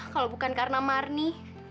kalau bukan karena marni